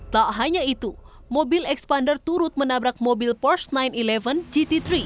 tak hanya itu mobil expander turut menabrak mobil pors sembilan sebelas gt tiga